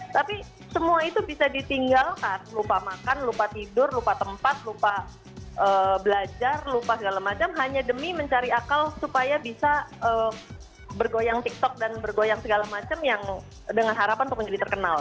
tapi semua itu bisa ditinggalkan lupa makan lupa tidur lupa tempat lupa belajar lupa segala macam hanya demi mencari akal supaya bisa bergoyang tiktok dan bergoyang segala macam yang dengan harapan pokoknya jadi terkenal